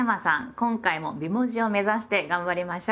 今回も美文字を目指して頑張りましょう。